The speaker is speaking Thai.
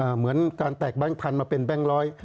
เหมือนการแตกแบงค์พันธุ์มาเป็นแบงค์ร้อย